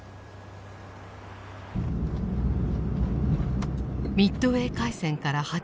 ミッドウェー海戦から８０年を迎えた